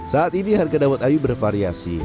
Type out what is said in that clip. saat ini harga dawet ayu bervariasi